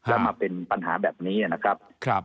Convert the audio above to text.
แล้วมาเป็นปัญหาแบบนี้นะครับ